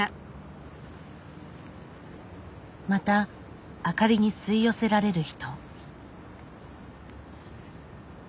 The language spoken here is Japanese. また明かりに吸い寄せられる人。